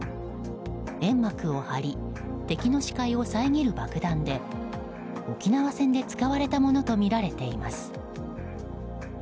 煙幕を張り敵の視界を遮る爆弾で沖縄戦で使われたものとみられています。